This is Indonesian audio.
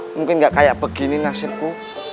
mungkin gak kayak begini nasibku